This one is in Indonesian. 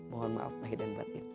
mohon maaf lahir dan buatnya